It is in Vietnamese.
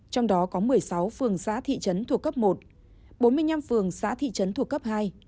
trong đó có một mươi sáu phường xã thị trấn thuộc cấp một bốn mươi năm phường xã thị trấn thuộc cấp hai